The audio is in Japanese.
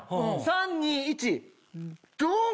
３・２・１ドン！